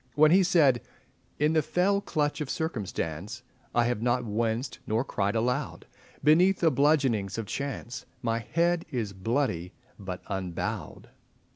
When he said— "In the fell clutch of Circumstance I have not winced nor cried aloud, Beneath the bludgeonings of Chance My head is bloody but unbowed."